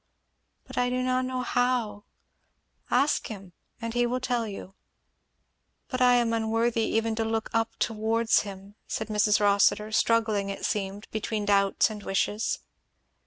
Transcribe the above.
"But I do not know how " "Ask him and he will tell you." "But I am unworthy even to look up towards him," said Mrs. Rossitur, struggling, it seemed, between doubts and wishes.